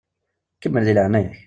Kemmel di leɛnaya-k!